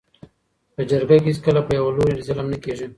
. په جرګه کي هیڅکله په یوه لوري ظلم نه کيږي.